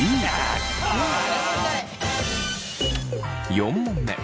４問目。